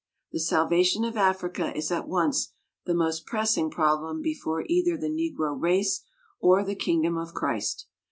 The salvation of Africa is at once the most pressing problem before either the Negro race or the Kingdom of Christ.